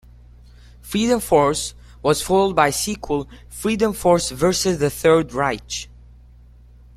"Freedom Force" was followed by a sequel, "Freedom Force versus the Third Reich".